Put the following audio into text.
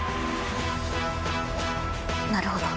なるほど。